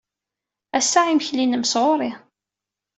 Ass-a, imekli-nnem sɣur-i.